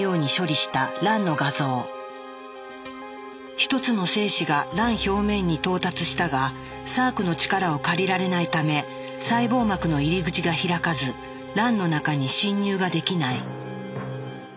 １つの精子が卵表面に到達したがサークの力を借りられないため細胞膜の入り口が開かず卵の中に侵入ができない。